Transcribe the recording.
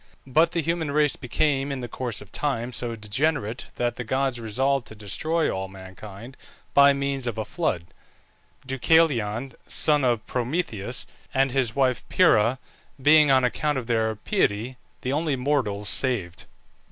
But the human race became in the course of time so degenerate that the gods resolved to destroy all mankind by means of a flood; Deucalion (son of Prometheus) and his wife Pyrrha, being, on account of their piety, the only mortals saved.